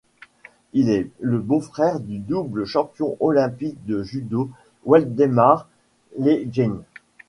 Il est le beau-frère du double champion olympique de judo Waldemar Legień.